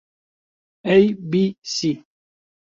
ئەی بی سی